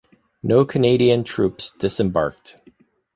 No Canadian troops disembarked.